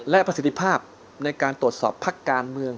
และประสิทธิภาพในการตรวจสอบพักการเมือง